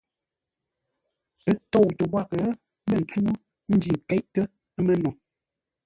Ə́ tóutə́ wághʼə lə́ ntsúŋú ńjí nkéʼtə́ mə́no.